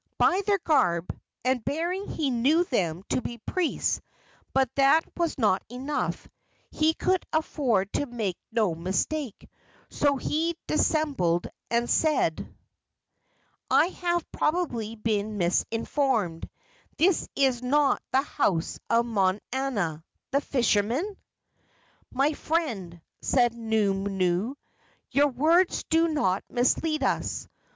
By their garb and bearing he knew them to be priests, but that was not enough; he could afford to make no mistake, so he dissembled and said: "I have probably been misinformed; this is not the house of Monana, the fisherman?" "My friend," said Nunu, "your words do not mislead us.